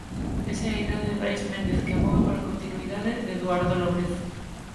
Esa é a idea de Brais Méndez que avoga pola continuidade de Eduardo López.